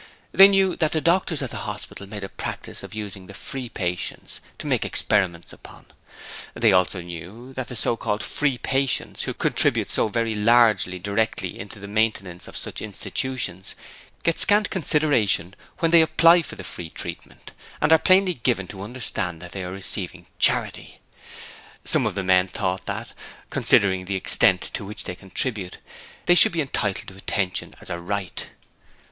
They knew that the doctors at the Hospital made a practice of using the free patients to make experiments upon, and they also knew that the so called 'free' patients who contribute so very largely directly to the maintenance of such institutions, get scant consideration when they apply for the 'free' treatment, and are plainly given to understand that they are receiving 'charity'. Some of the men thought that, considering the extent to which they contributed, they should be entitled to attention as a right.